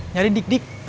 nyari dik dik